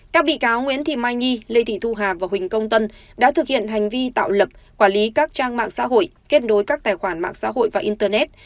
các bị cáo nguyễn thị mai nhi lê thị thu hà và huỳnh công tân đã thực hiện hành vi tạo lập quản lý các trang mạng xã hội kết nối các tài khoản mạng xã hội và internet